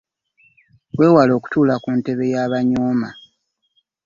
Wewale okutuula ku ntebe y'abanyooma